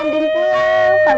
andi di pulang